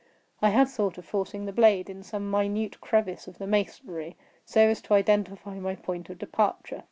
I had thought of forcing the blade in some minute crevice of the masonry, so as to identify my point of departure.